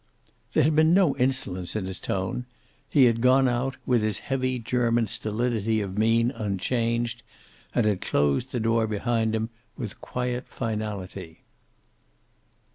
There had been no insolence in his tone. He had gone out, with his heavy German stolidity of mien unchanged, and had closed the door behind him with quiet finality.